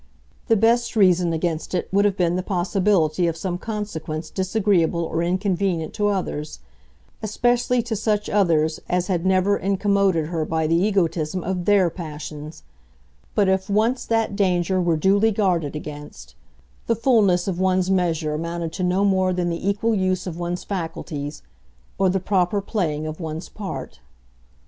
The best reason against it would have been the possibility of some consequence disagreeable or inconvenient to others especially to such others as had never incommoded her by the egotism of THEIR passions; but if once that danger were duly guarded against the fulness of one's measure amounted to no more than the equal use of one's faculties or the proper playing of one's part.